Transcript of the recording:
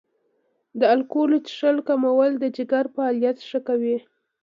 د الکول څښل کمول د جګر فعالیت ښه کوي.